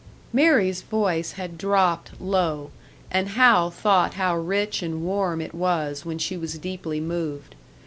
Mary's voice had dropped low, and Hal thought how rich and warm it was when she was deeply moved.